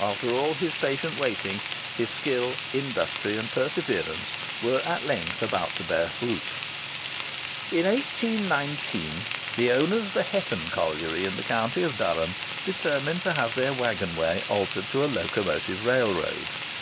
After all his patient waiting, his skill, industry, and perseverance were at length about to bear fruit. In 1819 the owners of the Hetton Colliery, in the county of Durham, determined to have their waggon way altered to a locomotive railroad.